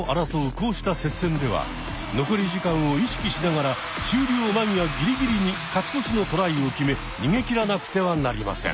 こうした接戦では残り時間を意識しながら終了間際ギリギリに勝ち越しのトライを決め逃げきらなくてはなりません。